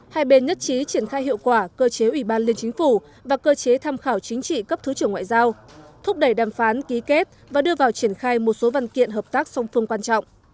hai bên nhất trí triển khai hiệu quả cơ chế ủy ban liên chính phủ và cơ chế tham khảo chính trị cấp thứ trưởng ngoại giao thúc đẩy đàm phán ký kết và đưa vào triển khai một số văn kiện hợp tác song phương quan trọng